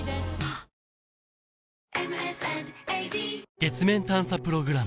月面探査プログラム